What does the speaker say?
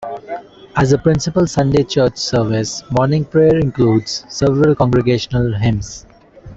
As a principal Sunday church service Morning Prayer includes several congregational hymns.